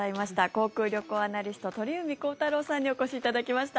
航空・旅行アナリスト鳥海高太朗さんにお越しいただきました。